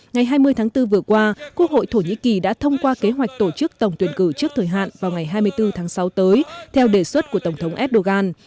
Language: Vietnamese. ngày hai mươi tháng bốn vừa qua quốc hội thổ nhĩ kỳ đã thông qua kế hoạch tổ chức tổng tuyển cử trước thời hạn vào ngày hai mươi bốn tháng sáu tới theo đề xuất của tổng thống erdogan